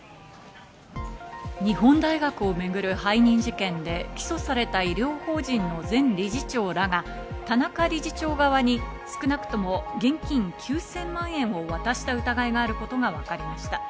日本大学を巡る背任事件で起訴された医療法人の前理事長らが田中理事長側に少なくとも現金９０００万円を渡した疑いがあることがわかりました。